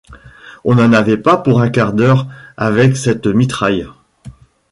On n’en avait pas pour un quart d’heure avec cette mitraille.